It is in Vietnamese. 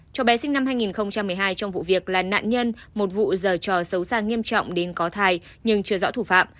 cho bé sinh năm hai nghìn một mươi hai trong vụ việc là nạn nhân một vụ dờ xấu xa nghiêm trọng đến có thai nhưng chưa rõ thủ phạm